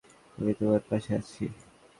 আমি তোমার পাশে আছি।